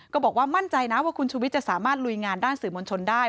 ก็บอกว่ามั่นใจนะว่าคุณชุวิตจะสามารถลุยงานด้านสื่อมวลชนได้